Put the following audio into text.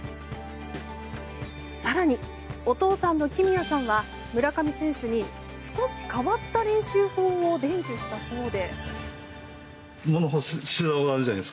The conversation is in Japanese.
更に、お父さんの公弥さんは村上選手に少し変わった練習法を伝授したそうで。